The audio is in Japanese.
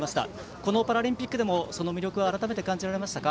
このパラリンピックでもその魅力改めて感じられましたか？